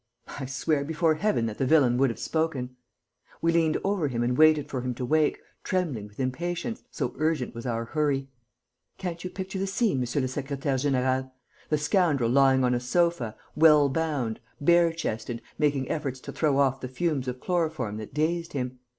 I swear before Heaven that the villain would have spoken!... We leant over him and waited for him to wake, trembling with impatience, so urgent was our hurry.... Can't you picture the scene, monsieur le secrétaire; général? The scoundrel lying on a sofa, well bound, bare chested, making efforts to throw off the fumes of chloroform that dazed him.